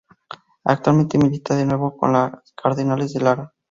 Actualmente milita de nuevo con Cardenales de Lara